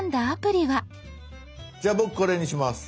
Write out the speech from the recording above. じゃあ僕これにします。